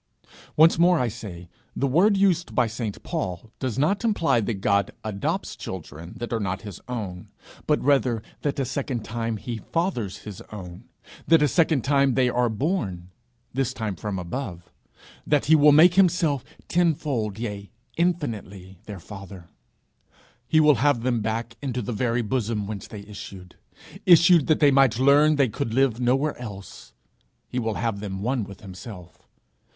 Once more I say, the word used by St Paul does not imply that God adopts children that are not his own, but rather that a second time he fathers his own; that a second time they are born this time from above; that he will make himself tenfold, yea, infinitely their father: he will have them back into the very bosom whence they issued, issued that they might learn they could live nowhere else; he will have them one with himself.